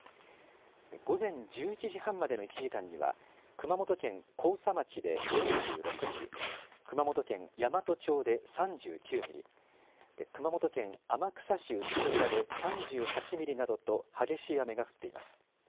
午前１１時半までの１時間には熊本県甲佐町で４６ミリ、熊本県山都町で３９ミリ、熊本県天草市牛深で３８ミリなどと激しい雨が降っています。